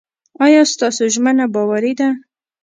ایا ستاسو ژمنه باوري ده؟